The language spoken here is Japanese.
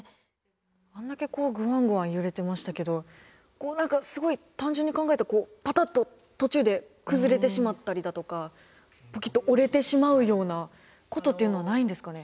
あんだけグワングワン揺れてましたけど何かすごい単純に考えるとパタッと途中で崩れてしまったりだとかポキッと折れてしまうようなことっていうのはないんですかね？